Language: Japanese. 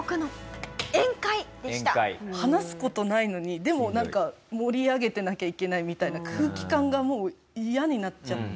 話す事ないのにでもなんか盛り上げてなきゃいけないみたいな空気感がもう嫌になっちゃって。